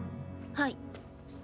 はい。